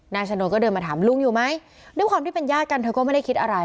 ชนวนก็เดินมาถามลุงอยู่ไหมด้วยความที่เป็นญาติกันเธอก็ไม่ได้คิดอะไร